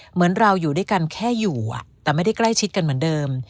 เหมือนเราอยู่ด้วยกันแค่อยู่แต่ไม่ได้ใกล้ชิดกันเหมือนเดิม